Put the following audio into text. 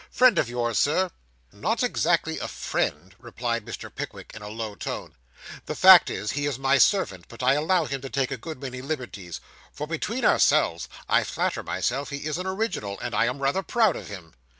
'Friend of yours, sir?' 'Not exactly a friend,' replied Mr. Pickwick, in a low tone. 'The fact is, he is my servant, but I allow him to take a good many liberties; for, between ourselves, I flatter myself he is an original, and I am rather proud of him.